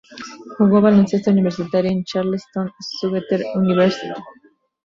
Jugó baloncesto universitario en Charleston Southern University.